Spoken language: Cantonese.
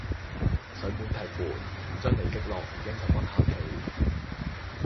上門踢館，唔將你擊落已經十分客氣